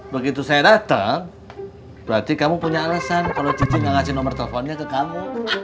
begitu saya datang berarti kamu punya alasan kalau cici gak ngasih nomor teleponnya ke kamu